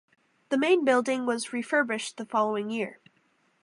The main building was refurbished the following year.